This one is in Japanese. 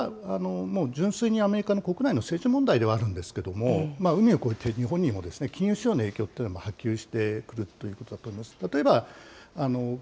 そうしますと、この問題はもう純粋にアメリカの国内の政治問題ではあるんですけれども、海を越えて日本にも金融市場の影響というのは波及してくると。